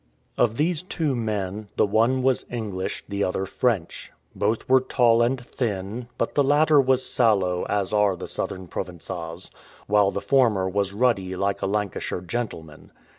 Of these two men, the one was English, the other French; both were tall and thin, but the latter was sallow as are the southern Provençals, while the former was ruddy like a Lancashire gentleman.